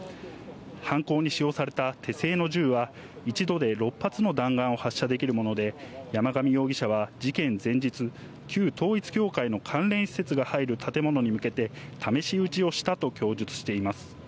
犯行に使用された手製の銃は、一度で６発の弾丸を発射できるもので、山上容疑者は事件前日、旧統一教会の関連施設が入る建物に向けて、試し撃ちをしたと供述しています。